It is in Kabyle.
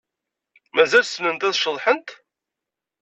Mazal ssnent ad ceḍḥent?